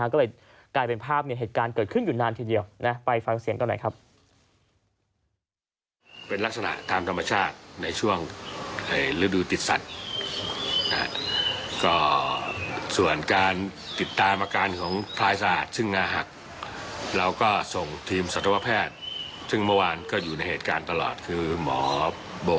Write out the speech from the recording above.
ก็เลยกลายเป็นภาพเหตุการณ์เกิดขึ้นอยู่นานทีเดียว